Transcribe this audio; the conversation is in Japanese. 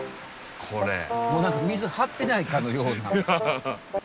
もう何か水張ってないかのような。